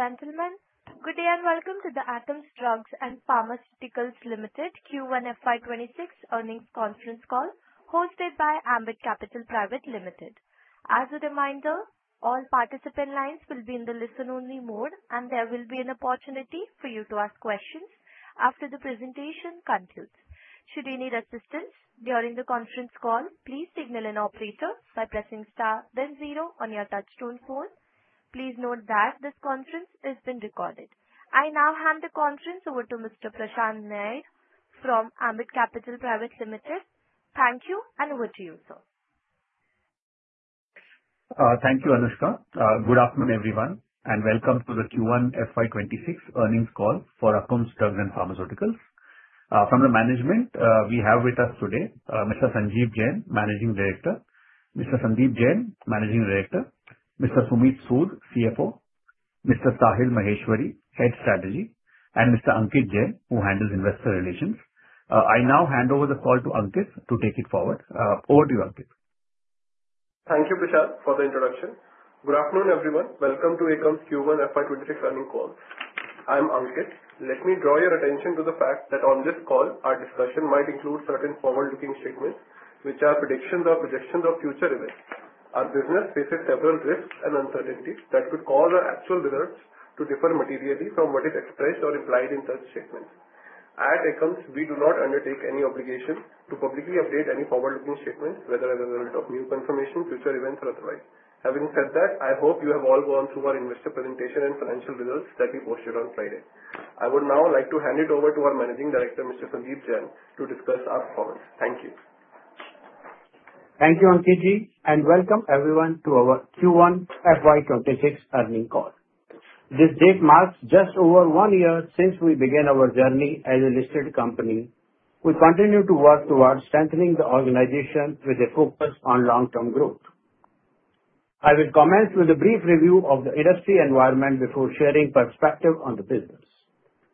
Ladies and gentlemen, good day and welcome to the Akums Drugs and Pharmaceuticals Limited Q1 FY 2026 Earnings Conference Call hosted by Ambit Capital Private Limited. As a reminder, all participant lines will be in the listen-only mode, and there will be an opportunity for you to ask questions after the presentation concludes. Should you need assistance during the conference call, please signal an operator by pressing star then 0 on your touchtone phone. Please note that this conference is being recorded. I now hand the conference over to Mr. Prashant Nair from Ambit Capital Private Limited. Thank you, and over to you, sir. Thank you, Anushka. Good afternoon, everyone, and welcome to the Q1 FY 2026 Earnings Call for Akums Drugs and Pharmaceuticals. From the management, we have with us today: Mr. Sanjeev Jain, Managing Director, Mr. Sandeep Jain, Managing Director, Mr. Sumeet Sood, CFO, Mr. Sahil Maheshwari, Head of Strategy, and Mr. Ankit Jain, who handles Investor Relations. I now hand over the call to Ankit to take it forward. Over to you, Ankit. Thank you, Prashant, for the introduction. Good afternoon, everyone. Welcome to Akums Q1 FY 2026 Earnings Call. I'm Ankit. Let me draw your attention to the fact that on this call, our discussion might include certain forward-looking statements, which are predictions or projections of future events. Our business faces several risks and uncertainties that could cause our actual results to differ materially from what is expressed or implied in such statements. At Akums, we do not undertake any obligation to publicly update any forward-looking statements, whether as a result of new confirmation, future events, or otherwise. Having said that, I hope you have all gone through our investor presentation and financial results that we posted on Friday. I would now like to hand it over to our Managing Director, Mr. Sandeep Jain, to discuss our calls. Thank you. Thank you, Ankit, and welcome, everyone, to our Q1 FY 2026 Earnings Call. This date marks just over one year since we began our journey as a listed company. We continue to work towards strengthening the organization with a focus on long-term growth. I will commence with a brief review of the industry environment before sharing perspective on the business.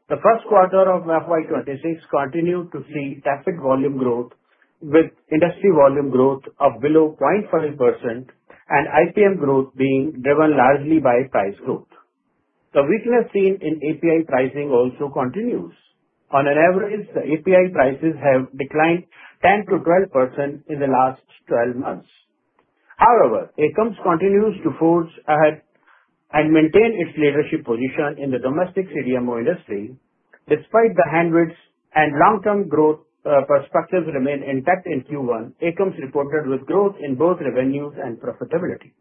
The first quarter of FY 2026 continued to see traffic volume growth, with industry volume growth of below 0.5% and ICM growth being driven largely by price growth. The weakness seen in API pricing also continues. On average, the API prices have declined 10%-12% in the last 12 months. However, Akums continues to forge ahead and maintain its leadership position in the domestic CDMO industry. Despite the hindrances and long-term growth perspectives remaining intact in Q1, Akums reported growth in both revenues and profitability.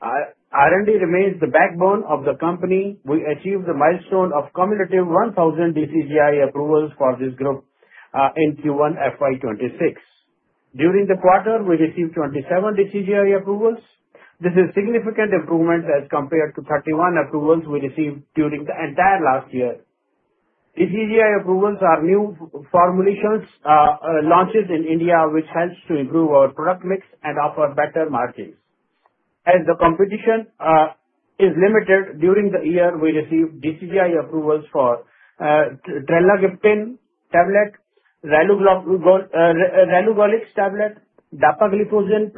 R&D remains the backbone of the company. We achieved the milestone of cumulative 1,000 DCGI approvals for this group in Q1 FY 2026. During the quarter, we received 27 DCGI approvals. This is a significant improvement as compared to 31 approvals we received during the entire last year. DCGI approvals are new formulations launched in India, which help to improve our product mix and offer better margins. As the competition is limited, during the year, we received DCGI approvals for trelagliptin tablet, relugolix tablet, dapagliflozin+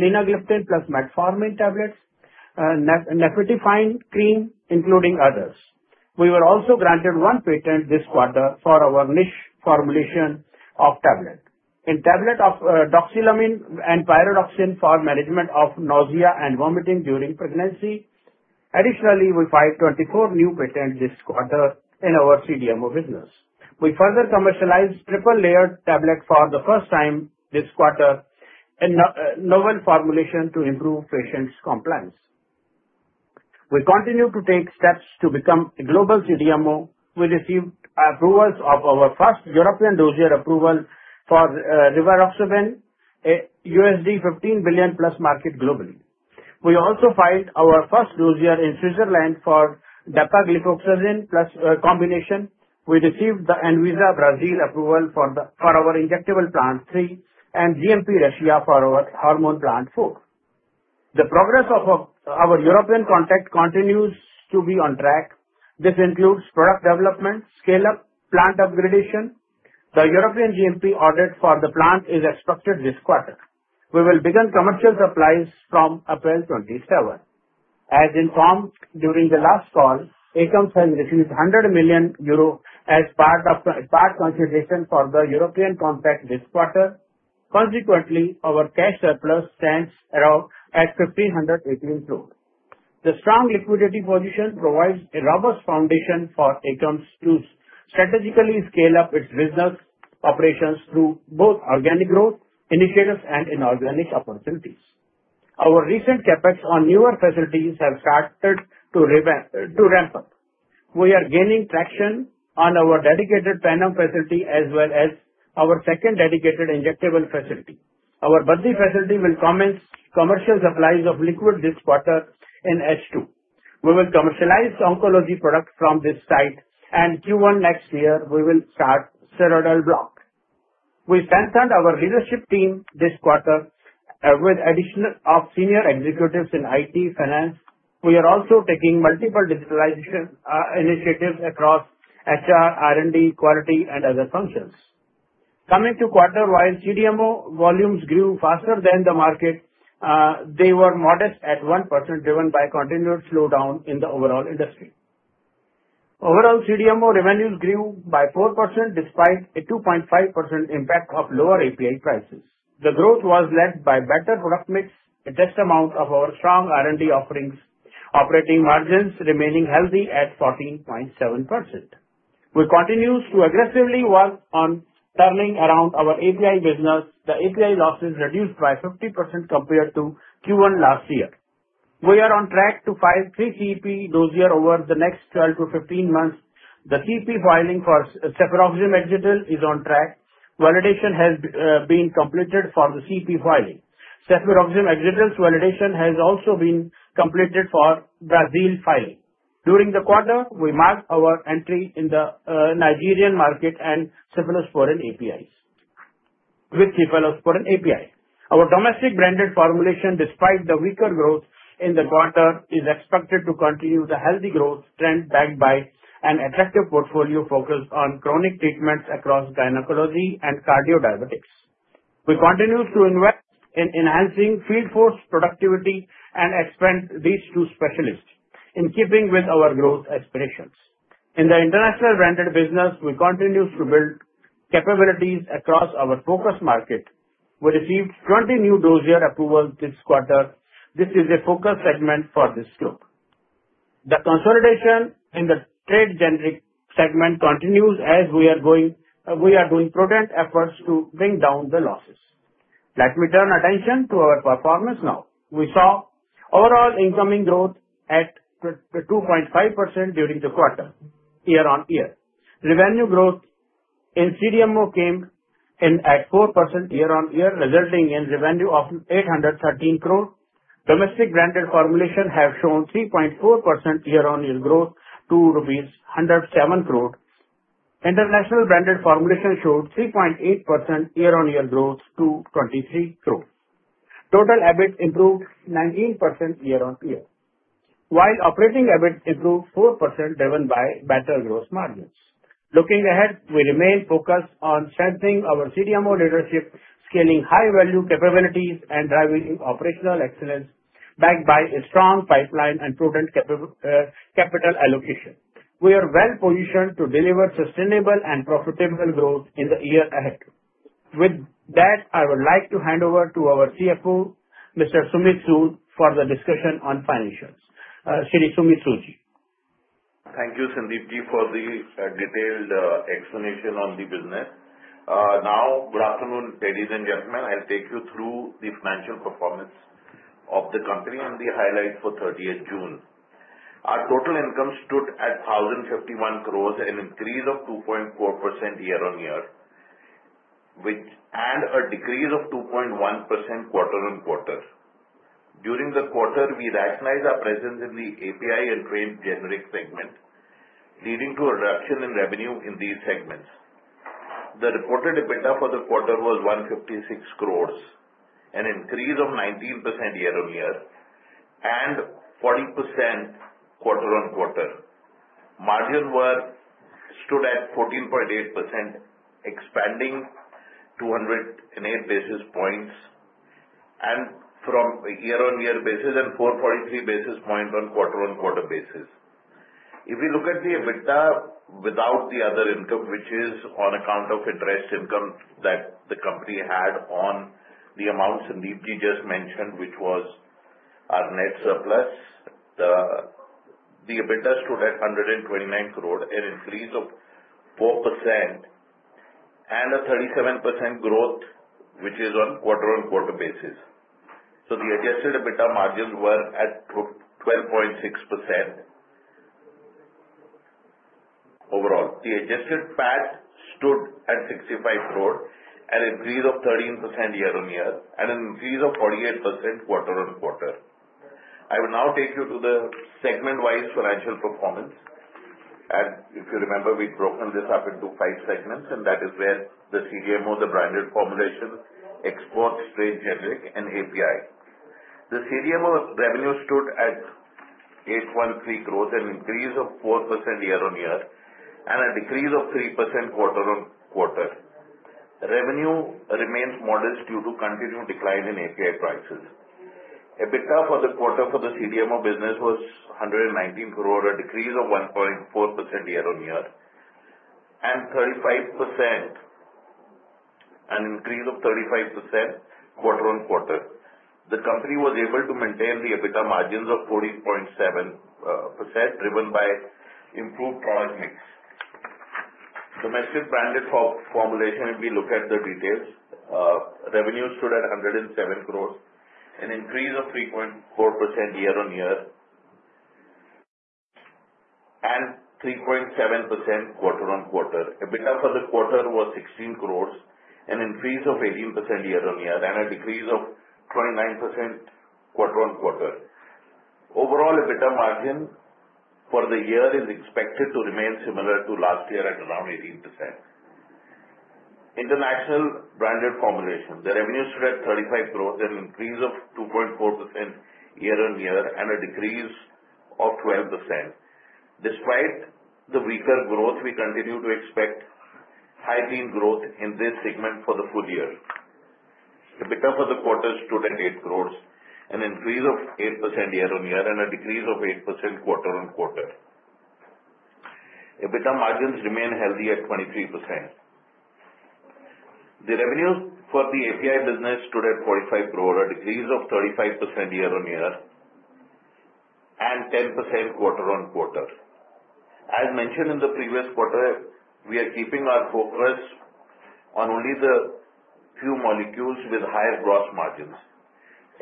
linagliptin+ metformin tablets, naftifine cream, including others. We were also granted one patent this quarter for our niche formulation of tablets. In tablets of doxylamine and pyridoxine for management of nausea and vomiting during pregnancy. Additionally, we filed 24 new patents this quarter in our CDMO business. We further commercialized triple-layer tablets for the first time this quarter in a novel formulation to improve patient compliance. We continue to take steps to become a global CDMO. We received approvals of our first European dossier approval for rivaroxaban, INR 15 billion+ market globally. We also filed our first dossier in Switzerland for dapagliflozin+ a combination. We received the ANVISA Brazil approval for our injectable plant three and GMP Russia for our hormone plant four. The progress of our European contract continues to be on track. This includes product development, scale-up, plant upgradation. The European GMP order for the plant is expected this quarter. We will begin commercial supplies from April 2027. As informed during the last call, Akums has received 100 million euro as part of the part consultation for the European contract this quarter. Consequently, our cash surplus stands at 1.518 million croress. The strong liquidity position provides a robust foundation for Akums to strategically scale up its business operations through both organic growth initiatives and inorganic opportunities. Our recent CapEx on newer facilities has started to ramp up. We are gaining traction on our dedicated Pan Am facility as well as our second dedicated injectable facility. Our Baddi facility will commence commercial supplies of liquid this quarter in H2. We will commercialize oncology products from this site, and in Q1 next year, we will start Zerodol block. We strengthened our leadership team this quarter with the addition of senior executives in IT and Finance. We are also taking multiple digitalization initiatives across HR, R&D, quality, and other functions. Coming to the quarter, while CDMO volumes grew faster than the market, they were modest at 1%, driven by continued slowdown in the overall industry. Overall, CDMO revenues grew by 4% despite a 2.5% impact of lower API prices. The growth was led by better product mix and the amount of our strong R&D offerings. Operating margins remained healthy at 14.7%. We continue to aggressively work on turning around our API business. The API losses reduced by 50% compared to Q1 last year. We are on track to file three CEP dossiers over the next 12-15 months. The CEP filing for cefuroxime axetil is on track. Validation has been completed for the CEP filing. cefuroxime axetil's validation has also been completed for Brazil filing. During the quarter, we marked our entry in the Nigerian market and cephalosporin APIs. With cephalosporin API, our domestic branded formulations, despite the weaker growth in the quarter, are expected to continue the healthy growth trend backed by an attractive portfolio focused on chronic treatments across gynecology and cardiodiabetes. We continue to invest in enhancing field force productivity and expand reach to specialists in keeping with our growth aspirations. In the international branded formulations business, we continue to build capabilities across our focus market. We received 20 new dossier approvals this quarter. This is a focus segment for this group. The consolidation in the trade generics segment continues as we are doing protracted efforts to bring down the losses. Let me turn attention to our performance now. We saw overall incoming growth at 2.5% during the quarter, year-on-year. Revenue growth in CDMO came in at 4% year-on-year, resulting in revenue of 813 crores. Domestic branded formulations have shown 3.4% year-on-year growth to rupees 107 crores. International branded formulations showed 3.8% year-on-year growth to 23 crores. Total EBIT improved 19% year-on-year, while operating EBIT improved 4% driven by better gross margins. Looking ahead, we remain focused on strengthening our CDMO leadership, scaling high-value capabilities, and driving operational excellence backed by a strong pipeline and prudent capital allocation. We are well positioned to deliver sustainable and profitable growth in the year ahead. With that, I would like to hand over to our CFO, Mr. Sumeet Sood, for the discussion on financials. Thank you, Sandeep Jain, for the detailed explanation on the business. Now, good afternoon, ladies and gentlemen. I'll take you through the financial performance of the company and the highlights for 30th June. Our total income stood at 1,051 crores, an increase of 2.4% year-on-year, and a decrease of 2.1% quarter-on-quarter. During the quarter, we recognized our presence in the API and trade generic segment, leading to a reduction in revenue in these segments. The reported EBITDA for the quarter was 156 crores, an increase of 19% year-on-year and 40% quarter-on-quarter. Margins stood at 14.8%, expanding 208 basis points from a year-on-year basis and 443 basis points on a quarter-on-quarter basis. If we look at the EBITDA without the other income, which is on account of interest income that the company had on the amount Sandeep Jain just mentioned, which was our net surplus, the EBITDA stood at 129 crores, an increase of 4% and a 37% growth, which is on a quarter-on-quarter basis. The adjusted EBITDA margins were at 12.6% overall. The adjusted PAT stood at 65 crores, an increase of 13% year-on-year, and an increase of 48% quarter-on-quarter. I will now take you to the segment-wise financial performance. If you remember, we've broken this up into five segments, and that is where the CDMO, the branded formulation, exports, trade generic, and API. The CDMO revenue stood at 813 crores, an increase of 4% year-on-year and a decrease of 3% quarter-on-quarter. Revenue remains modest due to continued decline in API prices. EBITDA for the quarter for the CDMO business was 119 crores, a decrease of 1.4% year-on-year and an increase of 35% quarter-on-quarter. The company was able to maintain the EBITDA margins of 40.7%, driven by improved product mix. Domestic branded formulations, if we look at the details, revenue stood at 107 crores, an increase of 3.4% year-on-year and 3.7% quarter-on-quarter. EBITDA for the quarter was 16 crores, an increase of 18% year-on-year and a decrease of 29% quarter-on-quarter. Overall, EBITDA margin for the year is expected to remain similar to last year at around 18%. International branded formulations, the revenue stood at 35 crores, an increase of 2.4% year-on-year and a decrease of 12% quarter-on-quarter. Despite the weaker growth, we continue to expect high-beam growth in this segment for the full year. EBITDA for the quarter stood at 8 crores, an increase of 8% year-on-year and a decrease of 8% quarter-on-quarter. EBITDA margins remain healthy at 23%. The revenue for the API business stood at 45 crores, a decrease of 35% year-on-year and 10% quarter-on-quarter. As mentioned in the previous quarter, we are keeping our focus on only the few molecules with higher gross margins.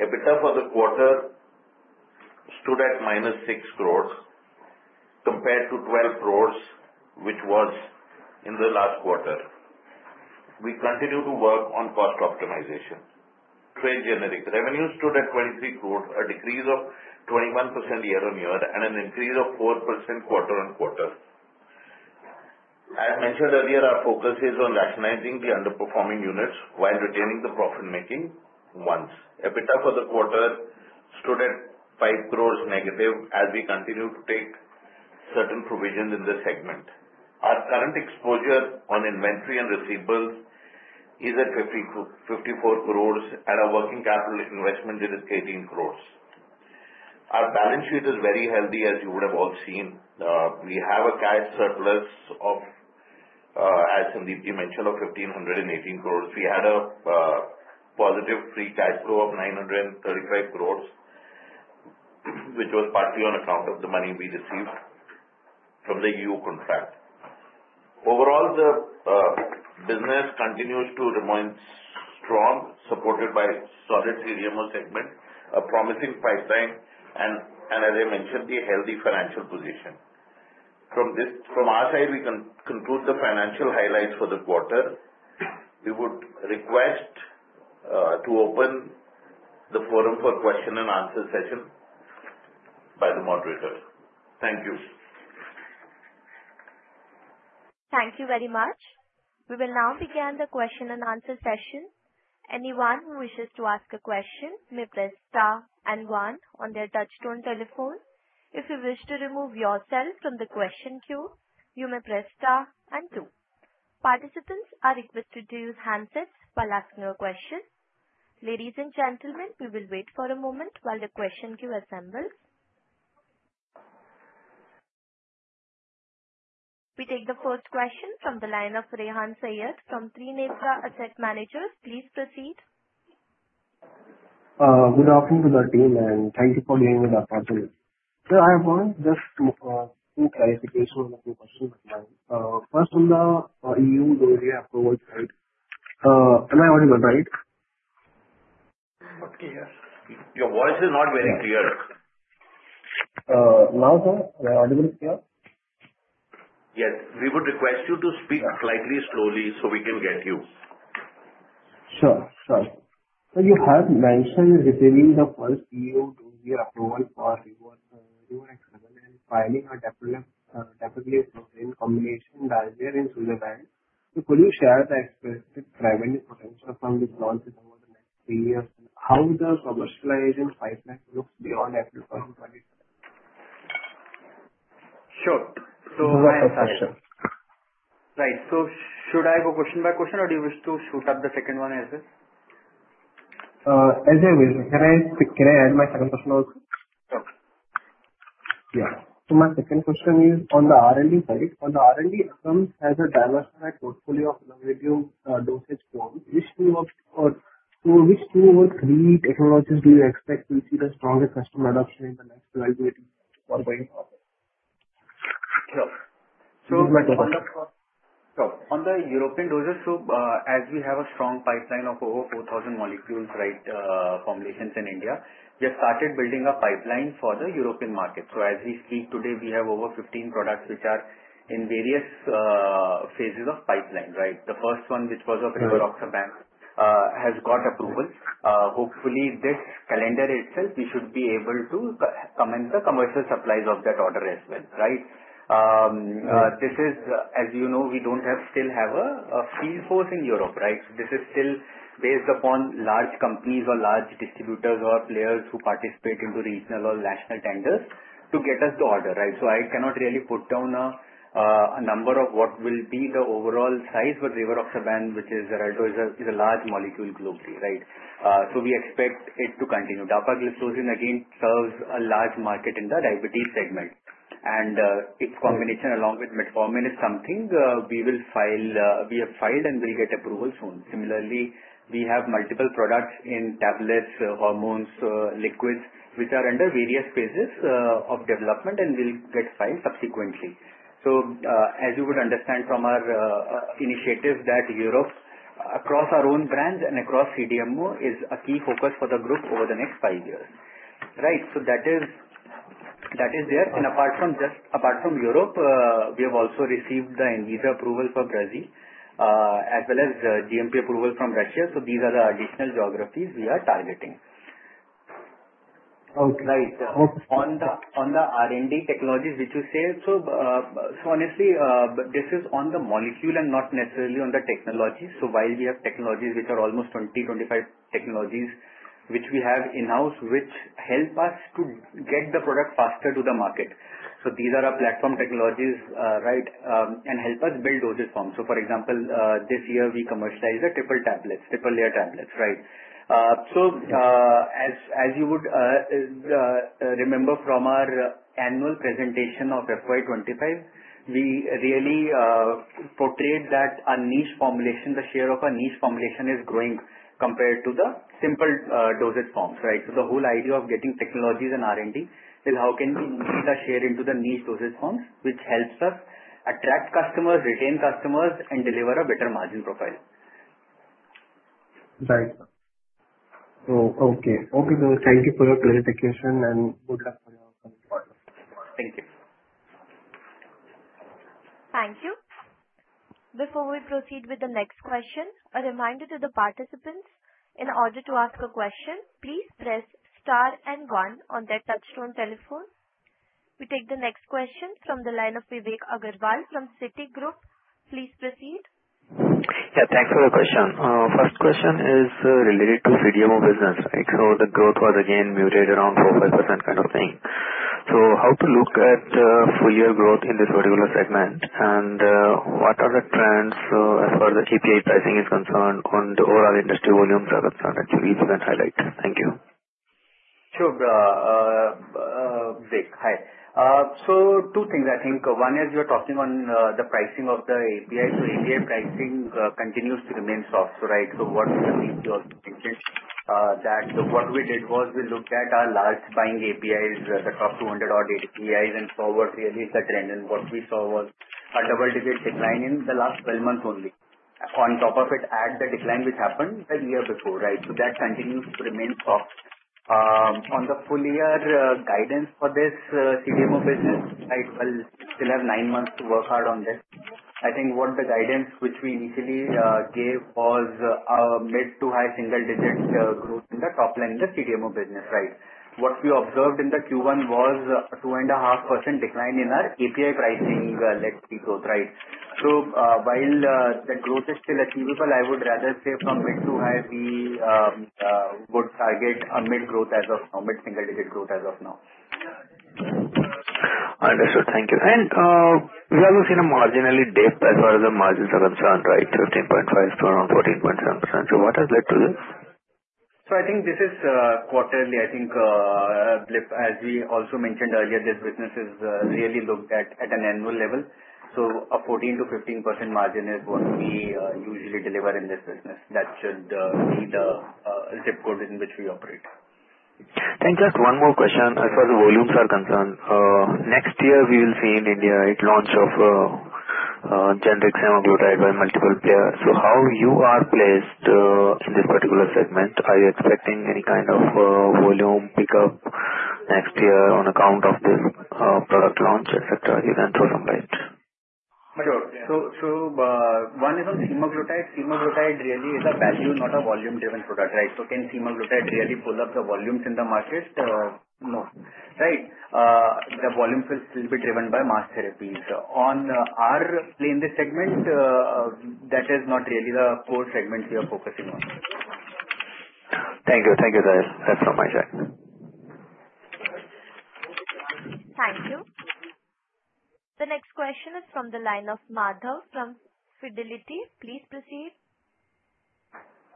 EBITDA for the quarter stood at -6 crores compared to 12 crores, which was in the last quarter. We continue to work on cost optimization. Trade generics revenue stood at 23 crores, a decrease of 21% year-on-year and an increase of 4% quarter-on-quarter. As mentioned earlier, our focus is on recognizing the underperforming units while retaining the profit-making ones. EBITDA for the quarter stood at -5 crores as we continue to take certain provisions in this segment. Our current exposure on inventory and receivables is at 54 crores and our working capital investment is 18 crores. Our balance sheet is very healthy, as you would have all seen. We have a cash surplus of, as Sandeep Jain mentioned, 1,518 crores. We had a positive free cash flow of 935 crores, which was partly on account of the money we received from the EU contract. Overall, the business continues to remain strong, supported by a solid CDMO segment, a promising pipeline, and, as I mentioned, the healthy financial position. From our side, we can conclude the financial highlights for the quarter. We would request to open the forum for question and answer session by the moderator. Thank you. Thank you very much. We will now begin the question and answer session. Anyone who wishes to ask a question may press star and one on their touchtone telephone. If you wish to remove yourself from the question queue, you may press star and two. Participants are requested to use handsets by asking your question. Ladies and gentlemen, we will wait for a moment while the question queue assembles. We take the first question from the line of [Rehan Sayers from Three Nebra Asset Managers]. Please proceed. Good afternoon to the team, and thank you for meeting with our council. Sir, I have just two clarifications on the question of mine. First, on the EU-related approval side, am I on the right? Not clear. Your voice is not very clear. Now, sir, am I audible here? Yes, we would request you to speak slightly slowly so we can get you. Sure. Sorry. You have mentioned receiving the first European dossier approval for EUX7 and filing a capital approval in combination with Niger and Switzerland. Could you share the expected revenue potential from this launch over the next three years? How does commercializing pipeline look beyond April 2024? Sure. Go ahead, [Prashant]. Right. Should I go question by question, or do you wish to shoot up the second one as well? As I wish. Can I add my second question also? Yeah. My second question is on the R&D side. On the R&D, Akums has a diversified portfolio of long-review dosage forms. Which tool works or through which tool works really technologically expect to see the stronger customer adoption in the next 12 years or by? Sure. So. On the European dossiers, as we have a strong pipeline of over 4,000 molecules, formulations in India, we have started building a pipeline for the European market. As we speak today, we have over 15 products which are in various phases of pipelines. The first one, which was of rivaroxaban, has got approval. Hopefully, this calendar itself, we should be able to commence the commercial supplies of that order as well. As you know, we don't still have a field force in Europe. This is still based upon large companies or large distributors or players who participate in regional or national tenders to get us the order. I cannot really put down a number of what will be the overall size, but rivaroxaban, which is Xarelto, is a large molecule globally. We expect it to continue. Dapagliflozin, again, serves a large market in the diabetes segment, and its combination along with metformin is something we will file, we have filed, and we'll get approval soon. Similarly, we have multiple products in tablets, hormones, liquids, which are under various phases of development and will get filed subsequently. As you would understand from our initiatives, Europe, across our own brands and across CDMO, is a key focus for the group over the next five years. Apart from just Europe, we have also received the ANVISA approval for Brazil, as well as GMP approval from Russia. These are the additional geographies we are targeting. Right. On the R&D technologies, which you say, this is on the molecule and not necessarily on the technology. While we have technologies, which are almost 20, 25 technologies, which we have in-house, which help us to get the product faster to the market, these are our platform technologies and help us build dosage forms. For example, this year, we commercialized the triple-layer tablets. As you would remember from our annual presentation of FY 2025, we really portrayed that our niche formulation, the share of our niche formulation is growing compared to the simple dosage forms. The whole idea of getting technologies and R&D is how can we increase the share into the niche dosage forms, which helps us attract customers, retain customers, and deliver a better margin profile. Right. Okay, thank you for your clarification and good luck for your. Thank you. Thank you. Before we proceed with the next question, a reminder to the participants, in order to ask a question, please press star and one on your touchtone telephone. We take the next question from the line of Vivek Agarwal from Citigroup. Please proceed. Yeah, thanks for the question. First question is related to CDMO business, right? The growth was, again, muted around 4% or 5% kind of thing. How to look at full-year growth in this particular segment and what are the trends or the KPI pricing is concerned on the overall industry volumes are concerned? Actually, if you can highlight. Thank you. Sure. Vivek, hi. Two things, I think. One is you're talking on the pricing of the API. API pricing continues to remain soft, right? What we did was we looked at our large buying APIs, the top 200 odd APIs, and forward really is the trend. What we saw was a double-digit decline in the last 12 months only. On top of it, add the decline which happened a year before, right? That continues to remain soft. On the full-year guidance for this CDMO business, I will still have nine months to work hard on this. I think what the guidance which we initially gave was a mid to high single-digit growth in the top line in the CDMO business, right? What we observed in Q1 was a 2.5% decline in our API pricing led to growth, right? While that growth is still achievable, I would rather say from mid to high, we would target a mid growth as of now, mid single-digit growth as of now. Understood. Thank you. We have also seen a marginal dip as far as the margins are concerned, right? 15.5% to around 14.7%. What has led to this? I think this is quarterly, I think, a blip. As we also mentioned earlier, this business is really looked at at an annual level. A 14%-15% margin is what we usually deliver in this business. That should be the zip code in which we operate. Just one more question. As far as the volumes are concerned, next year, we will see in India a launch of semaglutide by multiple players. How are you placed in this particular segment? Are you expecting any kind of volume pickup next year on account of the product launch, etc.? You can throw some light on it. Sure. One is on semaglutide. Semaglutide really is a value, not a volume-driven prototype. Can semaglutide really pull up the volumes in the market? No, right? The volume will still be driven by mass therapies. On our play in this segment, that is not really the core segment we are focusing on. Thank you. Thank you, guys. Thanks so much. Thank you. The next question is from the line of Madhav from Fidelity. Please proceed.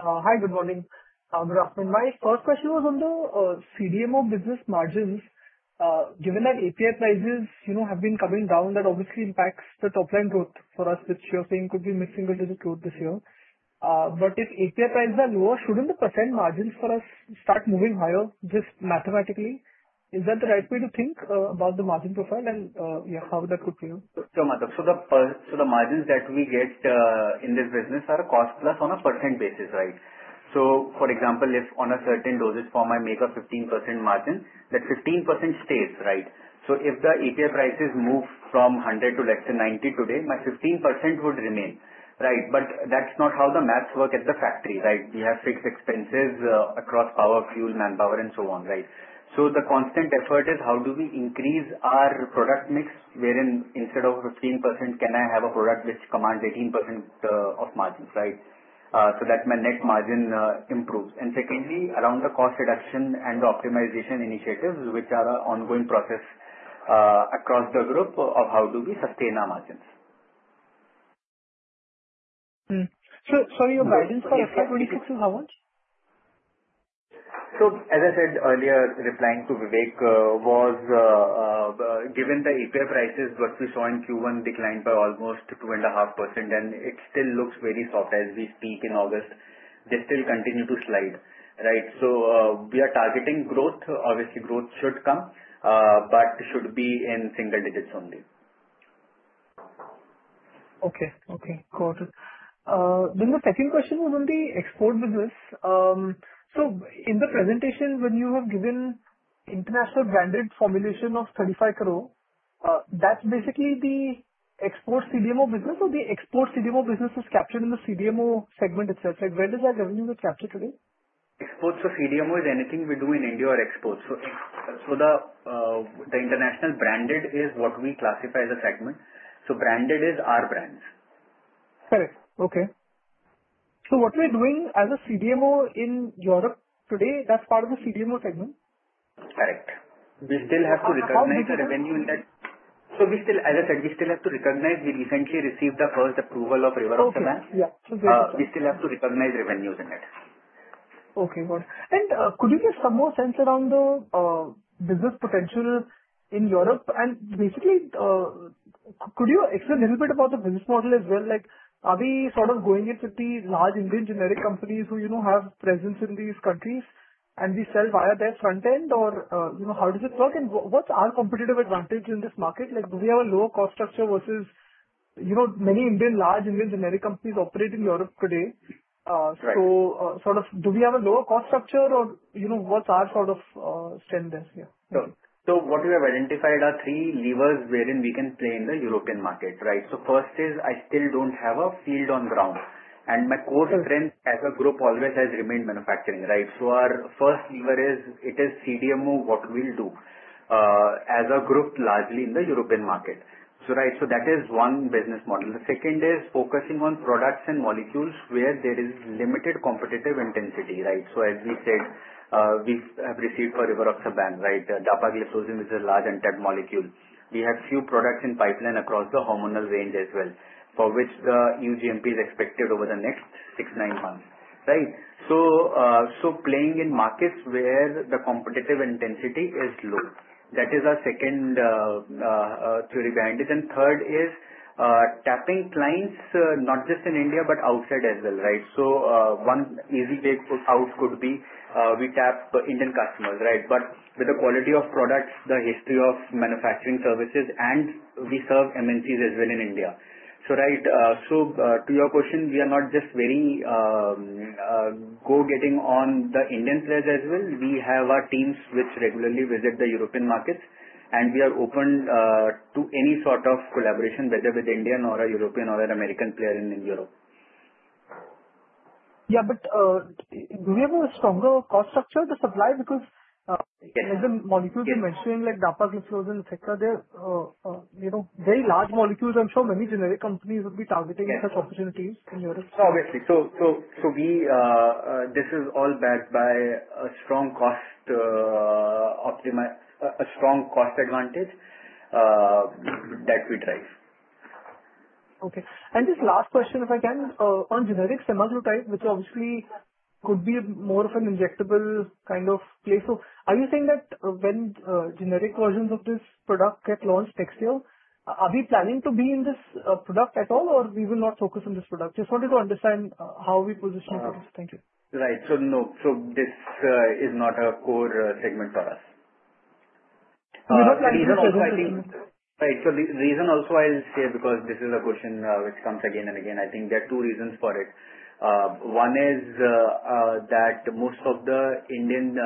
Hi. Good morning. I'm Madhav. My first question was on the CDMO business margins. Given that API prices, you know, have been coming down, that obviously impacts the top line growth for us, which you're saying could be mixing a little bit this year. If API prices are lower, shouldn't the percent margins for us start moving higher just mathematically? Is that the right way to think about the margin profile and, yeah, how that could be? Sure, Madhav. The margins that we get in this business are a cost plus on a percent basis, right? For example, if on a certain dosage form I make a 15% margin, that 15% stays, right? If the API prices move from 100% to, let's say, 90% today, my 15% would remain, right? That's not how the maths work at the factory, right? We have fixed expenses across power, fuel, manpower, and so on, right? The constant effort is how do we increase our product mix wherein instead of a 15%, can I have a product which commands 18% of margins, right? That way my net margin improves. Secondly, around the cost reduction and the optimization initiatives, which are an ongoing process across the group, how do we sustain our margins. Sure. Sorry, your guidance for FY 2026 to how much? As I said earlier, replying to Vivek, given the API prices, what we saw in Q1 declined by almost 2.5%, and it still looks very soft as we speak in August. They still continue to slide, right? We are targeting growth. Obviously, growth should come, but it should be in single digits only. Okay. Got it. The second question was on the export business. In the presentation, when you have given international branded formulations of 35 crores, that's basically the export CDMO business or the export CDMO business was captured in the CDMO segment itself? Where does that revenue get captured today? Exports for CDMO is anything we do in India or exports. The international branded is what we classify as a segment. Branded is our brands. Correct. Okay, what we're doing as a CDMO in Europe today, that's part of the CDMO segment? Correct. We still have to recognize the revenue in that. We still, as I said, have to recognize we recently received the first approval of rivaroxaban. We still have to recognize revenues in it. Okay. Got it. Could you give some more sense around the business potential in Europe? Basically, could you explain a little bit about the business model as well? Like are we sort of going into the large Indian generic companies who have presence in these countries and we sell via their front end, or you know how does it work? What's our competitive advantage in this market? Do we have a lower cost structure versus many large Indian generic companies operating in Europe today? Do we have a lower cost structure or what's our sort of strength there? What we have identified are three levers wherein we can play in the European market, right? First is I still don't have a field on ground, and my core strength as a group always has remained manufacturing, right? Our first lever is it is CDMO, what we'll do as a group largely in the European market. That is one business model. The second is focusing on products and molecules where there is limited competitive intensity, right? As we said, we have received for rivaroxaban, right, dapagliflozin, which is a large untapped molecule. We have few products in pipeline across the hormonal range as well, for which the EU GMP is expected over the next six, nine months, right? Playing in markets where the competitive intensity is low, that is our second theory behind it. Third is tapping clients not just in India, but outside as well, right? One easy breakthrough out could be we tap Indian customers, right? With the quality of products, the history of manufacturing services, and we serve MNCs as well in India. To your question, we are not just very go getting on the Indian players as well. We have our teams which regularly visit the European markets, and we are open to any sort of collaboration, whether with Indian or a European or an American player in Europe. Yeah, do we have a stronger cost structure in the supply because as the molecules you're mentioning, like dapagliflozin, etc., they're very large molecules. I'm sure many generic companies would be targeting as opportunities in Europe. Obviously, this is all backed by a strong cost advantage that we drive. Okay. This last question, if I can, on generic semaglutide, which obviously could be more of an injectable kind of place. Are you saying that when generic versions of this product get launched next year, are we planning to be in this product at all, or we will not focus on this product? Just wanted to understand how we position ourselves. Thank you. Right. No, this is not a core segment for us. Even on the. Right. The reason also I'll say because this is a question which comes again and again. I think there are two reasons for it. One is that most of the Indian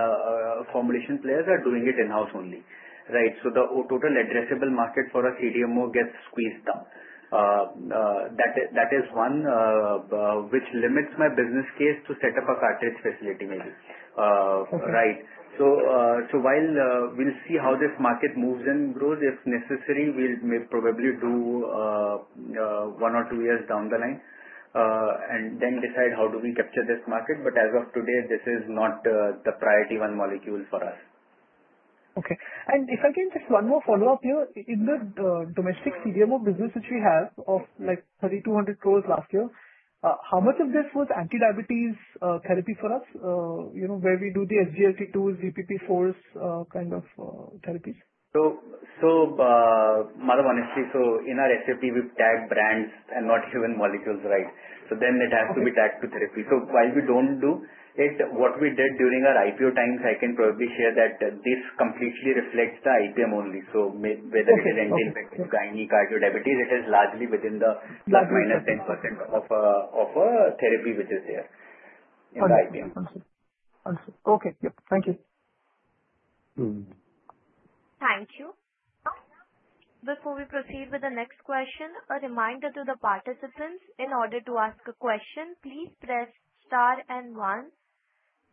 combination players are doing it in-house only, right? The total addressable market for a CDMO gets squeezed down. That is one which limits my business case to set up a cartridge facility basis, right? We'll see how this market moves and grows. If necessary, we'll probably do one or two years down the line and then decide how do we capture this market. As of today, this is not the priority one molecule for us. Okay. If I can just one more follow-up here, in the domestic CDMO business which we have of 3,200 crores last year, how much of this was anti-diabetes therapy for us, you know, where we do the SGLT2s, DPP-4s kind of therapies? Honestly, in our SFT, we've tagged brands and not human molecules, right? It has to be tagged to therapy. While we don't do it, what we did during our IPO times, I can probably share that this completely reflects the IPM only. Whether it is anti-infective, gynae, cardiodiabetes, it is largely within the -10% of a therapy which is there. Okay, thank you. Thank you. Before we proceed with the next question, a reminder to the participants: in order to ask a question, please press star and one.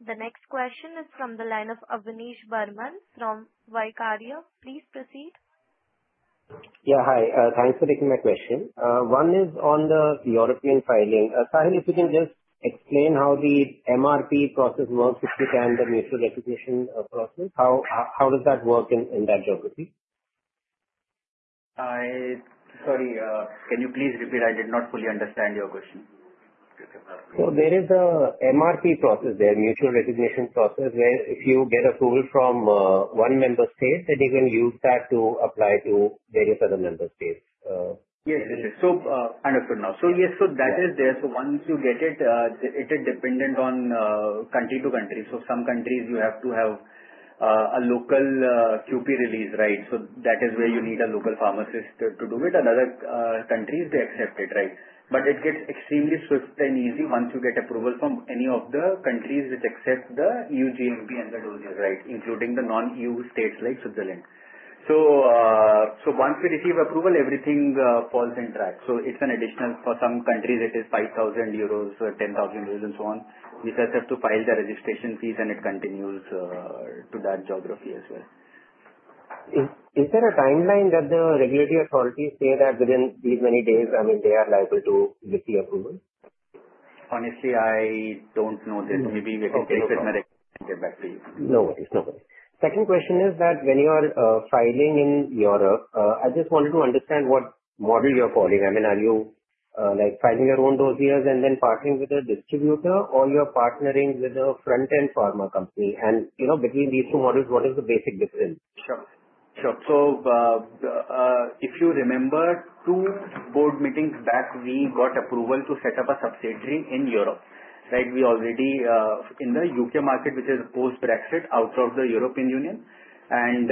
The next question is from the line of [Avinish Verman from Vaihkaria]. Please proceed. Yeah, hi. Thanks for taking my question. One is on the European filing. Sahil, if you can just explain how the MRP process works, the mutual recognition process, how does that work in that geography? Sorry, can you please repeat? I did not fully understand your question. There is an MRP process, mutual recognition process, where if you get approval from one member state, then you can use that to apply to various other member states. Yes, that is there. Once you get it, it is dependent on country to country. Some countries, you have to have a local QP release, right? That is where you need a local pharmacist to do it. Other countries accept it, right? It gets extremely swift and easy once you get approval from any of the countries which accept the EU GMP and the dossiers, including the non-EU states like Switzerland. Once we receive approval, everything falls in track. For some countries, it is 5,000 euros, 10,000 euros, and so on. We just have to file the registration fees, and it continues to that geography as well. Is there a timeline that the regulatory authorities say that within these many days, I mean, they are liable to receive approval? Honestly, I don't know this. Maybe we can take a look at my record and get back to you. No worries. No worries. Second question is that when you are filing in Europe, I just wanted to understand what model you're calling. I mean, are you like filing your own dossiers and then partnering with a distributor, or you're partnering with a front-end pharma company? Between these two models, what is the basic difference? Sure. If you remember, two board meetings back, we got approval to set up a subsidiary in Europe, right? We are already in the U.K. market, which is post-Brexit, out of the European Union and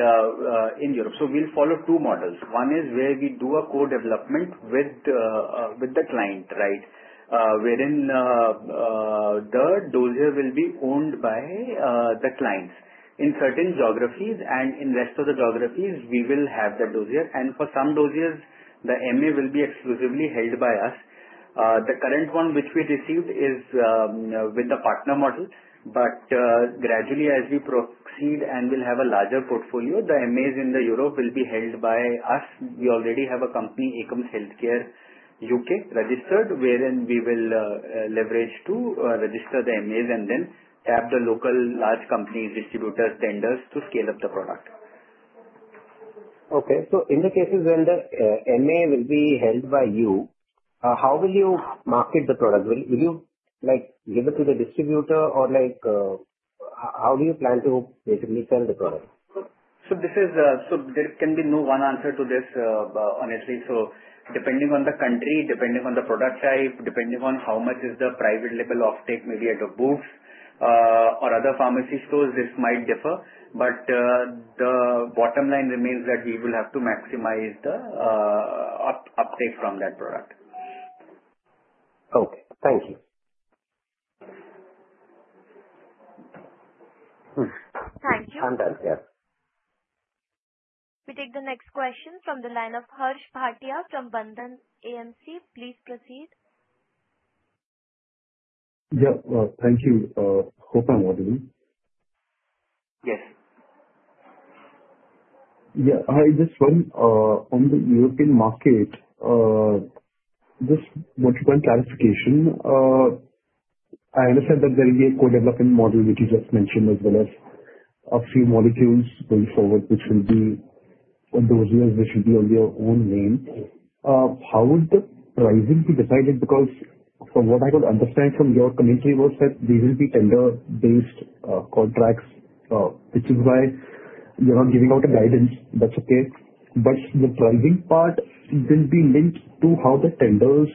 in Europe. We will follow two models. One is where we do a co-development with the client, right? Wherein the dossier will be owned by the clients in certain geographies, and in the rest of the geographies, we will have that dossier. For some dossiers, the MA will be exclusively held by us. The current one which we received is with the partner model. Gradually, as we proceed and we have a larger portfolio, the MAs in Europe will be held by us. We already have a company, Akums Healthcare UK, registered, wherein we will leverage to register the MAs and then tap the local large companies, distributors, tenders to scale up the product. Okay. In the cases where the MA will be held by you, how will you market the product? Will you give it to the distributor, or how do you plan to basically sell the product? There can be no one answer to this, honestly. Depending on the country, depending on the product type, depending on how much is the private level of take, maybe at the booths or other pharmacy stores, this might differ. The bottom line remains that we will have to maximize the uptake from that product. Okay, thank you. I'm done, sir. We take the next question from the line of Harsh Bhatia from Bandhan AMC. Please proceed. Yeah. Thank you. What do you mean? Yes. Yeah. This one, on the European market, just one clarification. I understand that there will be a co-development module which you just mentioned, as well as of three molecules going forward, which will be on those years, which will be on their own name. How would the pricing be decided? Because from what I could understand from your commentary was that these will be tender-based contracts, which is why you're not giving out a guidance. That's okay. The pricing part can be linked to how the tenders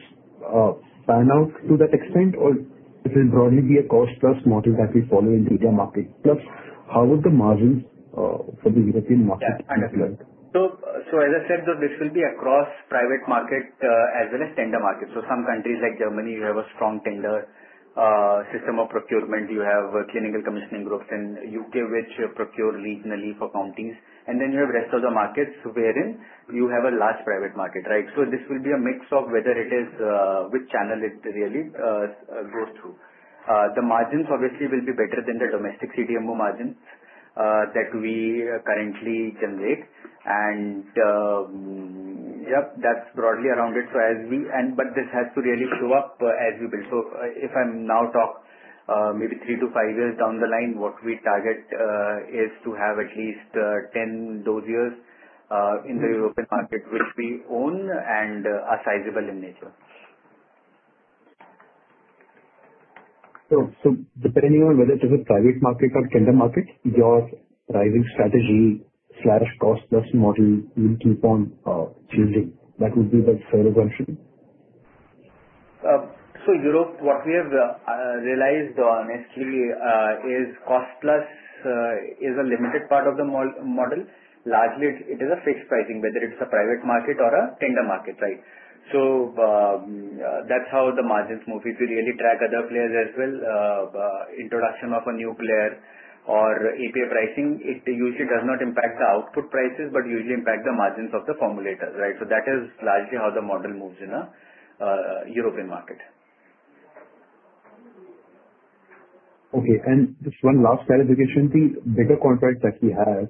pan out to that extent, or it will broadly be a cost-plus model that we follow in the India market? Plus, how would the margins for the European markets kind of look? As I said, this will be across private market as well as tender markets. Some countries like Germany have a strong tender system of procurement. You have clinical commissioning groups in the U.K., which procure regionally for counties. Then you have the rest of the markets wherein you have a large private market, right? This will be a mix of whether it is which channel it really goes through. The margins, obviously, will be better than the domestic CDMO margins that we currently generate. Yeah, that's broadly around it. As we, this has to really show up as we build. If I now talk maybe three to five years down the line, what we target is to have at least 10 dose years in the European market, which we own and are sizable in nature. Depending on whether it's a target market or tender market, your pricing strategy or cost-plus model will keep on changing. That would be the share of our ship. In Europe, what we have realized honestly is cost-plus is a limited part of the model. Largely, it is a fixed pricing, whether it's a private market or a tender market, right? That's how the margins move. If you really track other players as well, introduction of a new player or API pricing usually does not impact the output prices, but usually impacts the margins of the formulators, right? That is largely how the model moves in the European market. Okay. Just one last clarification thing. Bigger contracts that we had,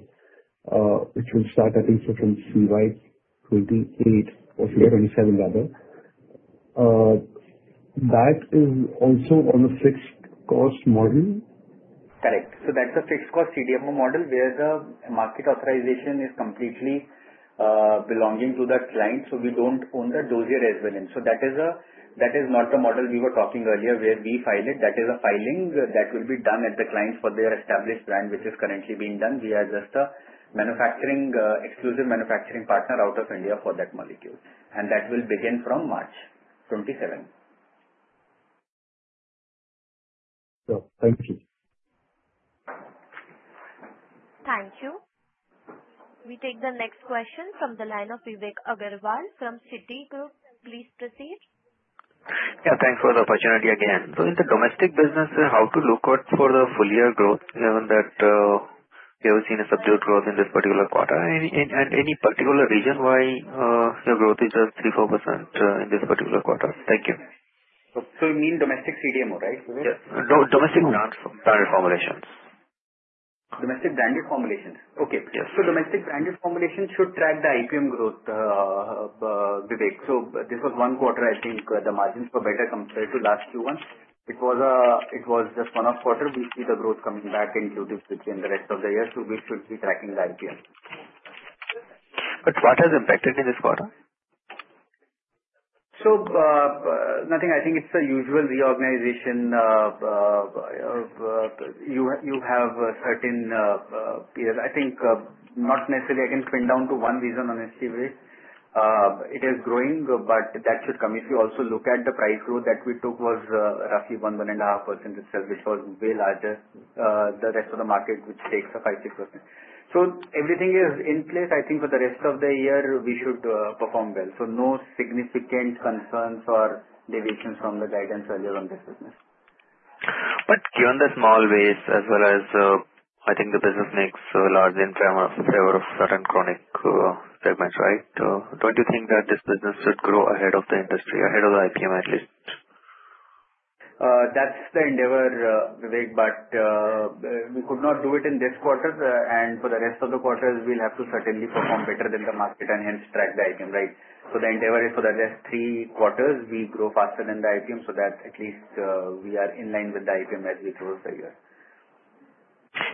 which will start, I think, from July 28 or July 27, rather, that is also on a fixed cost model? Correct. That's a fixed cost CDMO model where the market authorization is completely belonging to that client. We don't own that dossier as well. That is not the model we were talking about earlier where we file it. That is a filing that will be done at the client for their established plan, which is currently being done. We are just an exclusive manufacturing partner out of India for that molecule. That will begin from March 27. Yeah, thank you. Thank you. We take the next question from the line of Vivek Agarwal from Citigroup. Please proceed. Thank you for the opportunity again. In the domestic business, how to look out for the full-year growth given that we have seen a subdued growth in this particular quarter? Any particular reason why your growth is at 3%, 4% in this particular quarter? Thank you. You mean domestic CDMO, right? Yeah, domestic branded formulations. Domestic branded formulations. Okay. Yes. Domestic branded formulations should track the IPM growth, Vivek. This was one quarter. I think the margins were better compared to last Q1. It was just a one-off quarter. We see the growth coming back in Q2 and the rest of the year. We should be tracking the IPM. What has impacted in this quarter? I think it's a usual reorganization. You have certain periods. I think not necessarily I can pin down to one reason, honestly, Vivek. It is growing, but that should come. If you also look at the price growth that we took was roughly 1%, 1.5% itself, which was way larger than the rest of the market, which takes up 5%. Everything is in place. I think for the rest of the year, we should perform well. No significant concerns or deviations from the guidance earlier on this business. Given the small waste, as well as I think the business makes a large in favor of certain chronic treatments, right? Don't you think that this business should grow ahead of the industry, ahead of the IPM at least? That's the endeavor, Vivek, but we could not do it in this quarter. For the rest of the quarters, we'll have to certainly perform better than the market and hence track the IPM, right? The endeavor is for the rest of three quarters, we grow faster than the IPM so that at least we are in line with the IPM as we throw a failure.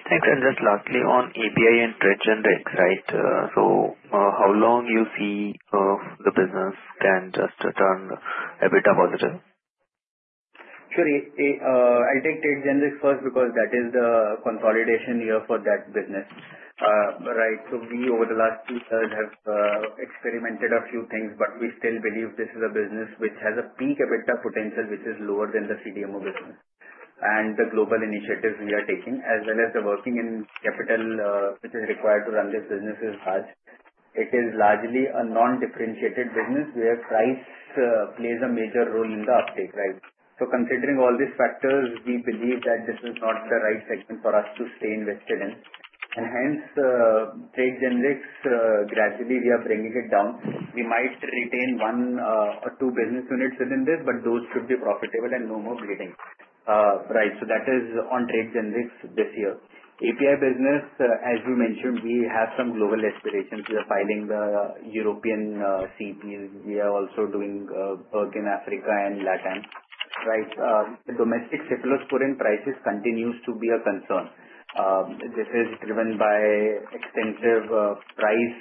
Thanks. Just lastly, on API and trade generics, right? How long do you see the business can just turn a bit positive? Sure. I take trade generics first because that is the consolidation year for that business, right? Over the last two thirds, we have experimented a few things, but we still believe this is a business which has a peak a bit of potential, which is lower than the CDMO business. The global initiatives we are taking, as well as the working capital which is required to run this business, is large. It is largely a non-differentiated business where price plays a major role in the uptake, right? Considering all these factors, we believe that this is not the right segment for us to stay invested in. Hence, trade generics, gradually, we are bringing it down. We might retain one or two business units within this, but those should be profitable and no more bleeding, right? That is on trade generics this year. API business, as we mentioned, we have some global aspirations. We are filing the European CEPs. We are also doing work in Africa and LatAm, right? Domestic cephalosporin prices continue to be a concern. This is driven by extensive price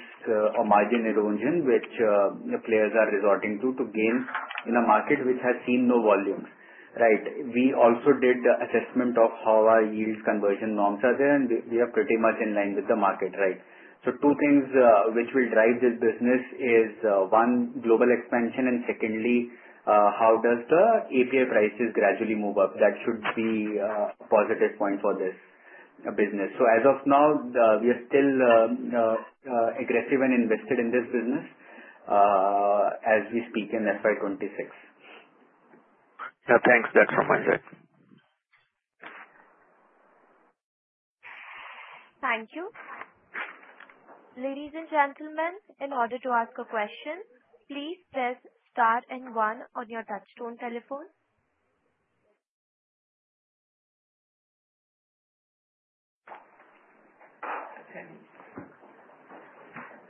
or margin erosion, which players are resorting to in order to gain in a market which has seen no volumes, right? We also did the assessment of how our yields conversion norms are there, and we are pretty much in line with the market, right? Two things which will drive this business are, one, global expansion, and secondly, how the API prices gradually move up. That should be a positive point for this business. As of now, we are still aggressive and invested in this business as we speak in FY 2026. Yeah, thanks. That's from my side. Thank you. Ladies and gentlemen, in order to ask a question, please press star and one on your touchstone telephone.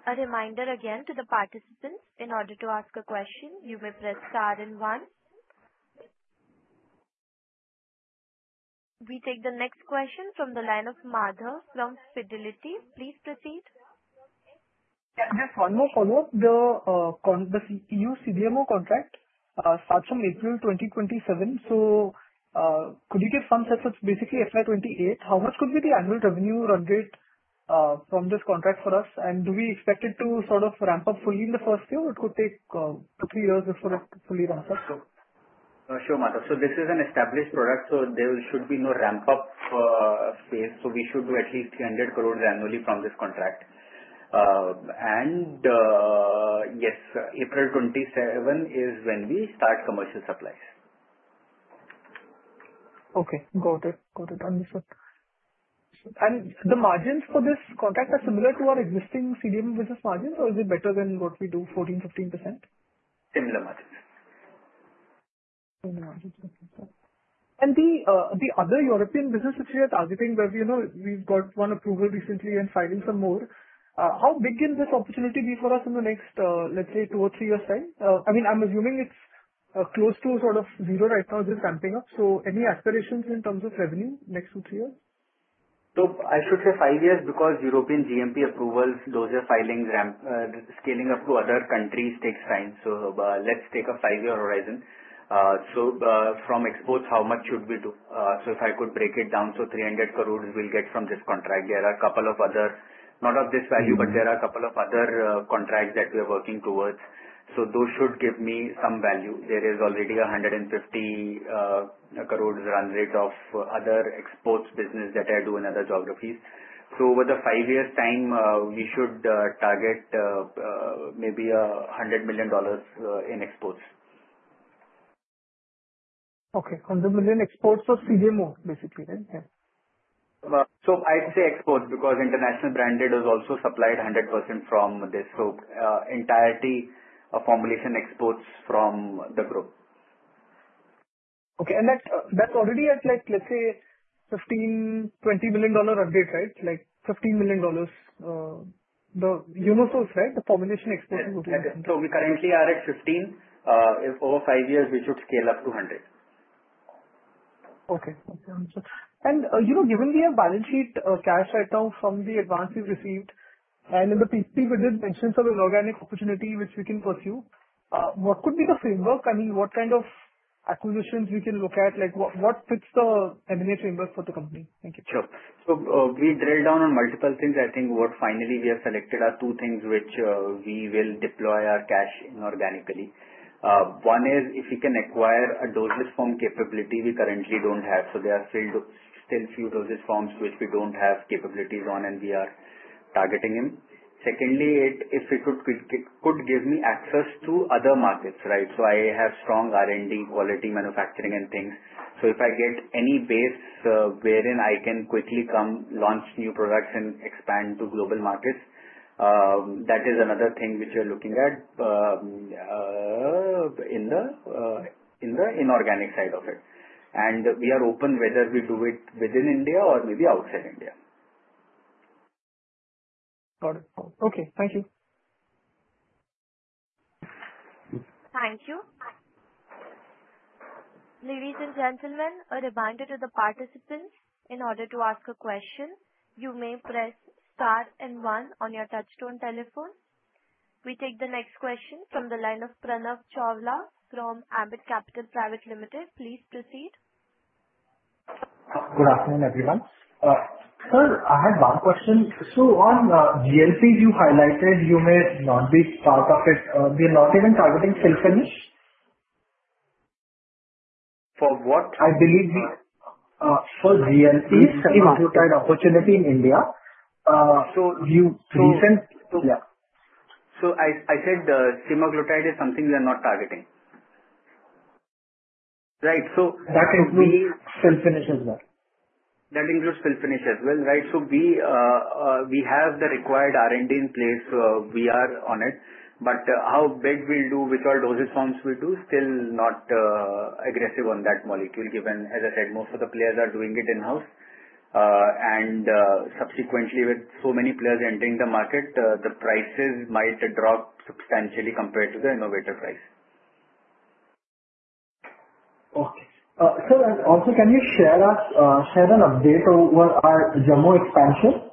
A reminder again to the participants, in order to ask a question, you may press star and one. We take the next question from the line of Madhav from Fidelity. Please proceed. Yes, one more follow-up. The EU CDMO contract starts on April 2027. It's basically FY 2028. How much could be the annual revenue run rate from this contract for us? Do we expect it to sort of ramp up fully in the first year, or could it take a few years before it fully ramps up? Sure, Madhav. This is an established product, so there should be no ramp-up phase. We should do at least 300 crores annually from this contract, and yes, April 27 is when we start commercial supplies. Okay. Got it. Got it. Understood. The margins for this contract are similar to our existing CDMO business margins, or is it better than what we do, 14%, 15%? Similar margins. Similar margins. Okay. The other European business, which we are targeting, where we've got one approval recently and filing some more, how big can this opportunity be for us in the next, let's say, two or three years' time? I'm assuming it's close to sort of zero right now. Is it ramping up? Any aspirations in terms of revenue next two or three years? I should say five years because European GMP approvals, those are filings, scaling up to other countries takes time. Let's take a five-year horizon. From exports, how much should we do? If I could break it down, 300 crores we'll get from this contract. There are a couple of other, not of this value, but there are a couple of other contracts that we are working towards. Those should give me some value. There is already 150 crores run rate of other exports business that I do in other geographies. Over the five years' time, we should target maybe $100 million in exports. Okay. $100 million exports of CDMO, basically, right? I'd say exports because international branded is also supplied 100% from this group. Entirety of formulation exports from the group. Okay. That's already at, let's say, $15 million, $20 million of this, right? Like $15 million. The source, right? The formulation exports would be. We currently are at $15 million. If over five years, we should scale up to $100 million. Okay. Okay. Understood. Given we have balance sheet cash set out from the advance we've received and in the PPP within pensions, there's organic opportunity which we can pursue. What could be the framework? I mean, what kind of acquisitions we can look at? Like what fits the M&A framework for the company? Thank you. Sure. We drill down on multiple things. I think what finally we have selected are two things which we will deploy our cash in organically. One is if we can acquire a dosage form capability we currently don't have. There are still a few dosage forms which we don't have capabilities on and we are targeting them. Secondly, if it could give me access to other markets, right? I have strong R&D, quality manufacturing, and things. If I get any base wherein I can quickly come launch new products and expand to global markets, that is another thing which we are looking at in the inorganic side of it. We are open whether we do it within India or maybe outside India. Got it. Okay, thank you. Thank you. Ladies and gentlemen, a reminder to the participants, in order to ask a question, you may press star and one on your touchstone telephone. We take the next question from the line of Pranav Chawla from Ambit Capital Private Limited. Please proceed. Good afternoon, everyone. Sir, I had one question. On the GMP you highlighted, you may not be part of it. We are not even targeting Simponish. For what? I believe for GMPs. Simponish opportunity in India. You recently. Yeah, I said the Simponish is something we are not targeting. Right. So that includes Simponish as well. That includes Simponish as well, right? We have the required R&D in place. We are on it. How big we'll do, which all dosage forms we'll do, we're still not aggressive on that molecule given, as I said, most of the players are doing it in-house. Subsequently, with so many players entering the market, the prices might drop substantially compared to the innovator price. Okay. Sir, also, can you share an update on our JAMO expansion?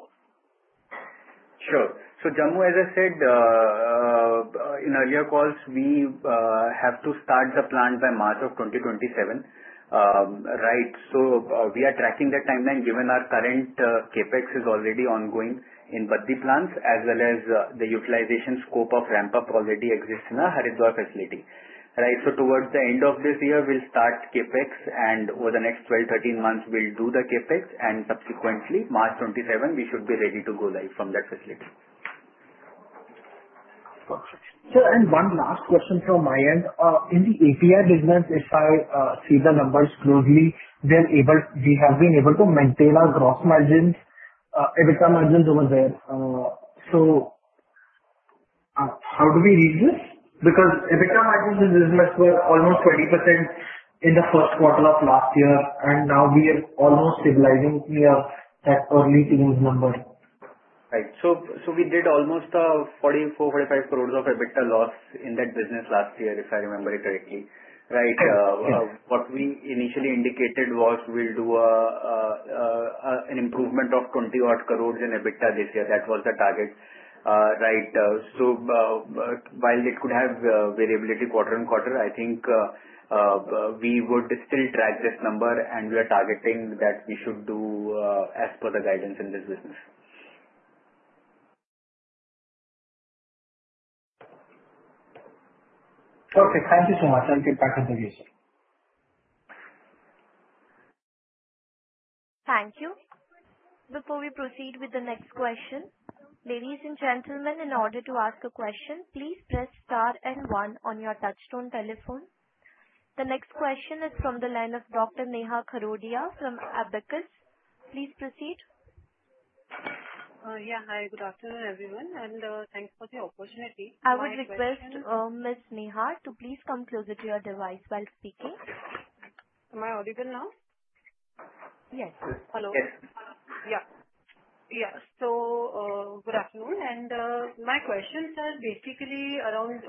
Sure. As I said in earlier calls, we have to start the plans by March of 2027, right? We are tracking the timeline given our current CapEx is already ongoing in Bhatti plants as well as the utilization scope of ramp-up already exists in our Haridwar facility, right? Towards the end of this year, we'll start CapEx, and over the next 12, 13 months, we'll do the CapEx. Subsequently, March 2027, we should be ready to go live from that facility. Sure. One last question from my end. In the API business, if I see the numbers closely, we have been able to maintain our gross margins, EBITDA margins over there. How do we use this? EBITDA margins in this business were almost 20% in the first quarter of last year, and now we are almost stabilizing the early teens numbers, Right. So we did almost 44 crores, 45 crores of EBITDA loss in that business last year, if I remember it correctly, right? What we initially indicated was we'll do an improvement of 20 crores odd in EBITDA this year. That was the target, right? While it could have variability quarter on quarter, I think we would still track this number, and we are targeting that we should do as per the guidance in this business. Okay, thank you so much. I'll take back on the views. Thank you. Before we proceed with the next question, ladies and gentlemen, in order to ask a question, please press star and one on your touchstone telephone. The next question is from the line of Dr. Neha Kharodia from Abakkus. Please proceed. Yeah. Hi, good afternoon, everyone, and thanks for the opportunity. I would request Ms. Neha to please come closer to your device while speaking. Am I audible now? Yes. Hello? Yeah. Yeah. Good afternoon. My questions are basically around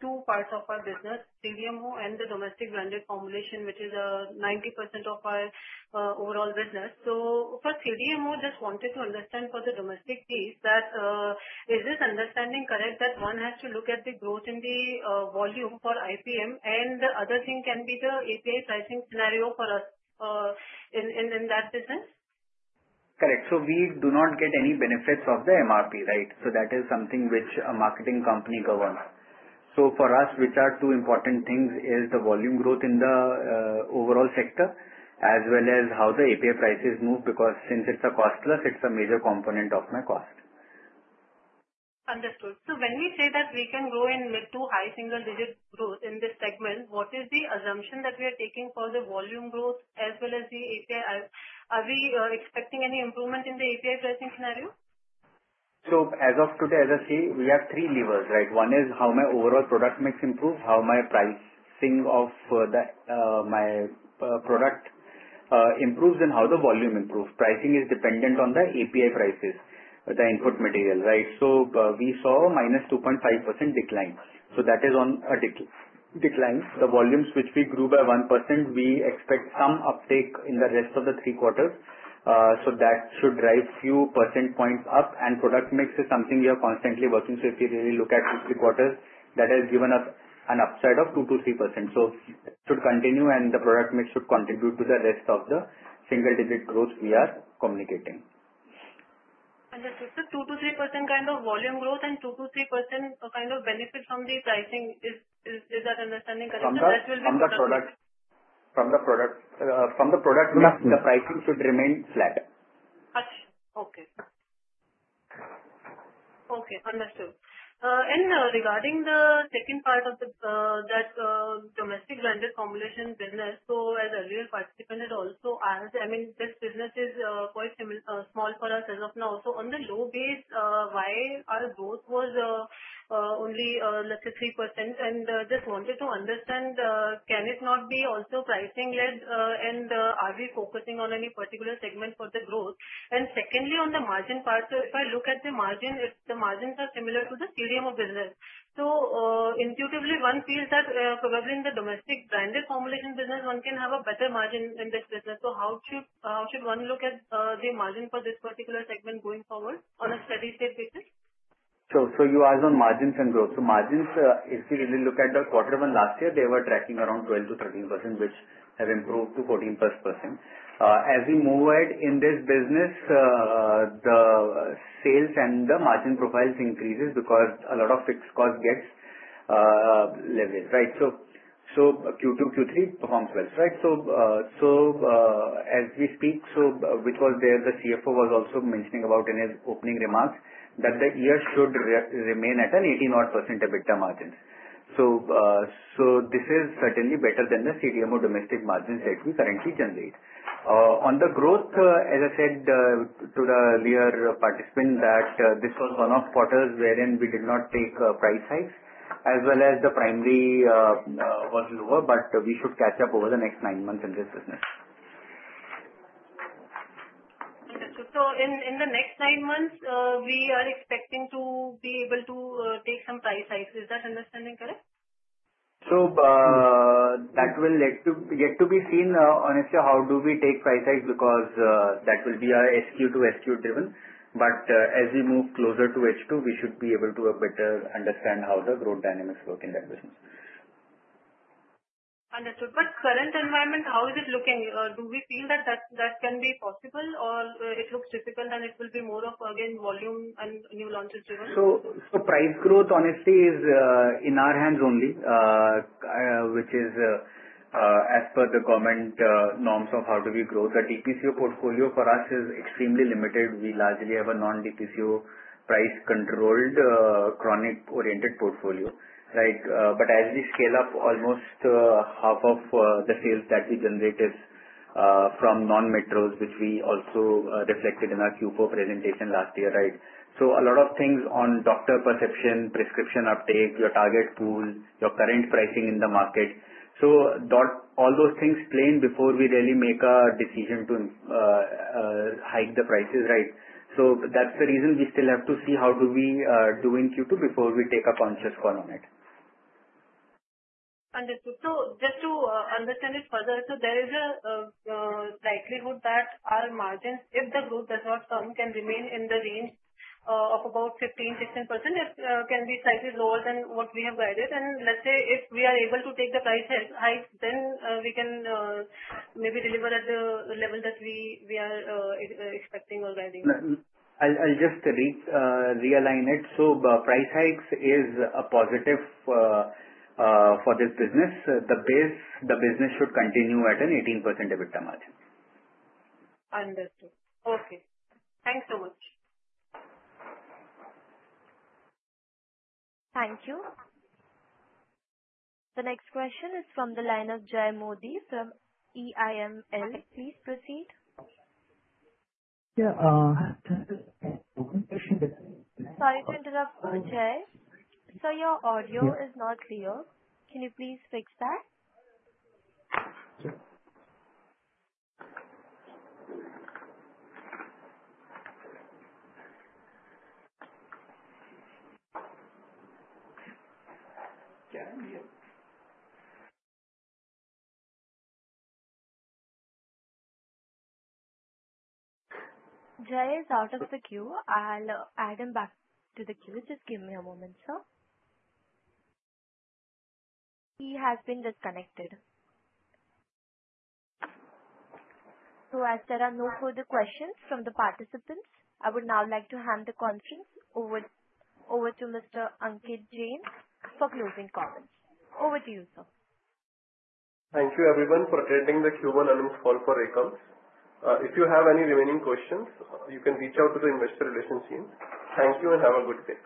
two parts of our business, CDMO and the domestic branded formulations, which is 90% of our overall business. For CDMO, just wanted to understand for the domestic piece, is this understanding correct that one has to look at the growth in the volume for IPM, and the other thing can be the API pricing scenario for us in that business? Correct. We do not get any benefits of the MRP, right? That is something which a marketing company governs. For us, two important things are the volume growth in the overall sector as well as how the API prices move, because since it's a cost plus, it's a major component of my cost. Understood. When we say that we can go in with two high single-digit growth in this segment, what is the assumption that we are taking for the volume growth as well as the API? Are we expecting any improvement in the API pricing scenario? As of today, as I see, we have three levers, right? One is how my overall product mix improves, how my pricing of my product improves, and how the volume improves. Pricing is dependent on the API prices, the input material, right? We saw a -2.5% decline. That is on a decline. The volumes, which we grew by 1%, we expect some uptake in the rest of the three quarters. That should drive a few percentage points up. Product mix is something we are constantly working. If you really look at 50 quarters, that has given us an upside of 2%-3%. It should continue, and the product mix should contribute to the rest of the single-digit growth we are communicating. Understood. 2%-3% kind of volume growth and 2%-3% kind of benefit from the pricing. Is that understanding correct? From the product, the pricing should remain flat. Gotcha. Okay. Understood. Regarding the second part of the domestic branded formulations business, as the earlier participant had also asked, this business is quite small for us as of now. On the low base, why was our growth only, let's say, 3%? I just wanted to understand, can it not be also pricing-led, and are we focusing on any particular segment for the growth? Secondly, on the margin part, if I look at the margin, if the margins are similar to the CDMO business, intuitively, one feels that probably in the domestic branded formulations business, one can have a better margin in this business. How should one look at the margin for this particular segment going forward on a steady state future? Sure. You asked on margins and growth. Margins, if you really look at the quarter one last year, they were tracking around 12%-13%, which have improved to 14%+. As we move ahead in this business, the sales and the margin profiles increase because a lot of fixed cost gets leveraged, right? Q2 and Q3 perform well, right? As we speak, because there's a CFO who was also mentioning about in his opening remarks that they should remain at an 18% odd EBITDA margins. This is certainly better than the CDMO domestic margins that we currently generate. On the growth, as I said to the earlier participant, this was one of quarters wherein we did not take price hikes, as well as the primary was lower, but we should catch up over the next nine months in this business. Understood. In the next nine months, we are expecting to be able to take some price hikes. Is that understanding correct? That will get to be seen, honestly, how do we take price hikes because that will be our SKU to SKU driven. As we move closer to H2, we should be able to better understand how the growth dynamics work in that business. Understood. The current environment, how is it looking? Do we feel that that can be possible, or it looks difficult and it will be more of, again, volume and new launches driven? Price growth, honestly, is in our hands only, which is as per the government norms of how do we grow. The DPCO portfolio for us is extremely limited. We largely have a non-DPCO price-controlled chronic-oriented portfolio, right? As we scale up, almost half of the sales that we generate is from non-metros, which we also reflected in our Q4 presentation last year, right? A lot of things on doctor perception, prescription uptake, your target pool, your current pricing in the market, all those things play in before we really make a decision to hike the prices, right? That's the reason we still have to see how do we do in Q2 before we take a conscious call on it. Understood. Just to understand it further, there is a likelihood that our margins, if the growth does not turn, can remain in the range of about 15%-16%. It can be slightly lower than what we have guided. If we are able to take the price hikes, then we can maybe deliver at the level that we are expecting already. Price hikes are a positive for this business. The business should continue at an 18% EBITDA margin. Understood. Okay, thanks so much. Thank you. The next question is from the line of Jay Modi from EIML. Please proceed. Yeah. Sorry to interrupt, Jay. Your audio is not clear. Can you please fix that? Jay is out of the queue. I'll add him back to the queue. Just give me a moment, sir. He has been disconnected. As there are no further questions from the participants, I would now like to hand the conference over to Mr. Ankit Jain for closing power. Over to you, sir. Thank you, everyone, for attending the Q1 earnings call for Akums. If you have any remaining questions, you can reach out to the Investor Relations team. Thank you and have a good day.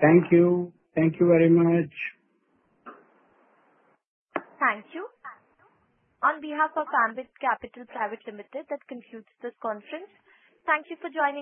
Thank you. Thank you very much. Thank you. On behalf of Ambit Capital Private Limited, that concludes this conference. Thank you for joining.